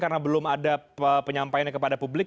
karena belum ada penyampaiannya kepada publik